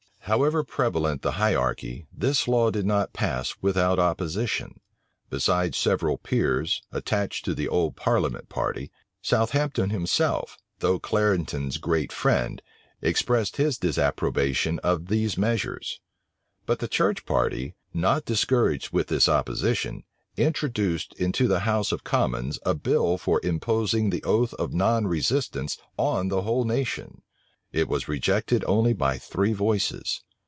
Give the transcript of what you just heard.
However prevalent the hierarchy, this law did not pass without opposition. Besides several peers, attached to the old parliamentary party, Southampton himself, though Clarendon's great friend, expressed his disapprobation of these measures. But the church party, not discouraged with this opposition, introduced into the house of commons a bill for imposing the oath of nonresistance on the whole nation. It was rejected only by three voices.